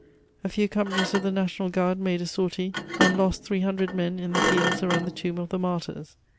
A few companies of the National Guard made a sortie and lost three hundred men in the fields around the tomb of the "martyrs."